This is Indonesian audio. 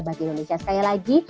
bagi indonesia sekali lagi